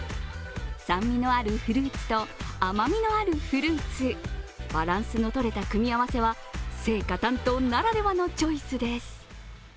酸味のあるフルーツと甘みのあるフルーツ、バランスのとれた組み合わせは青果担当ならではのチョイスです。